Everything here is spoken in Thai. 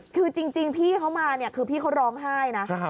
คือจริงพี่เขามาเนี่ยคือพี่เขาร้องไห้นะ